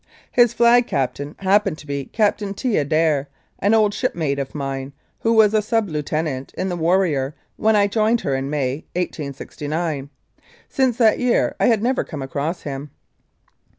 His Flag Captain happened to be Captain T. Adair, an old shipmate of mine, who was a sub lieutenant in the Warrior when I joined her in May, 1869. Since that year I had never come across him.